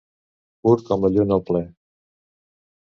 Pur com la lluna al ple.